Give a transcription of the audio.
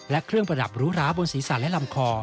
และเครื่องประดับรูร้าบนศีรษะและลำคอ